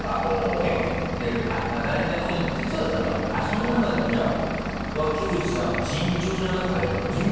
その中でもじゃあ脇淵さんは尋常じゃなく速いってことですか？